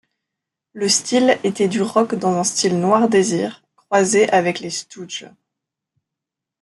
Le style était du rock dans un style Noir Désir, croisé avec les Stooges.